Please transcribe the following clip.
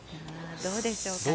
どうでしょうかね。